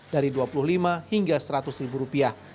dari dua puluh lima hingga seratus ribu rupiah